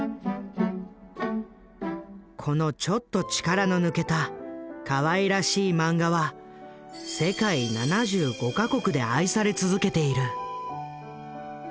このちょっと力の抜けたかわいらしいマンガは世界７５か国で愛され続けている。